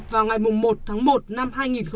vào ngày một tháng một năm hai nghìn một mươi tám